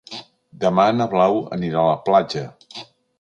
Demà na Blau anirà a la platja.